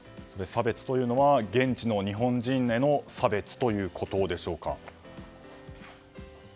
差別というのは現地の日本人への差別ということでしょうか。